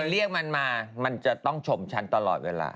เรียกมันมามันจะต้องชมฉันตลอดเวลา